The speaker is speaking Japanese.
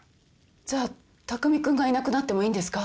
じゃあ匠君がいなくなってもいいんですか？